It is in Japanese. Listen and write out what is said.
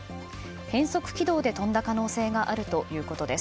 変速軌道で飛んだ可能性があるということです。